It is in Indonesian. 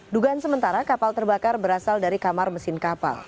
dugaan sementara kapal terbakar berasal dari kamar mesin kapal